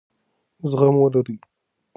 زغم ولرئ.